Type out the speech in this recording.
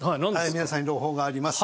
はい皆さんに朗報があります。